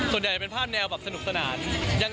ส่วนใหญ่เป็นภาพแนวแบบสนุกสนาน